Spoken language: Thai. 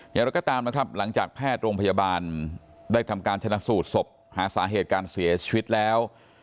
อย่างไรก็ตามนะครับหลังจากแพทย์โรงพยาบาลได้ทำการชนะสูตรศพหาสาเหตุการเสียชีวิตแล้ว